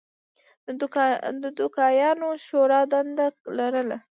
د دوکیانو شورا دنده لرله.